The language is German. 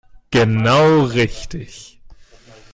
Genau richtig.